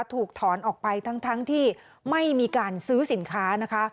ถูกถอนออกไปทั้งที่ไม่มีการซื้อสินค้านะคะ